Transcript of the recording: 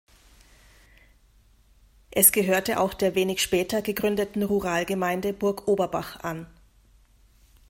Es gehörte auch der wenig später gegründeten Ruralgemeinde Burgoberbach an.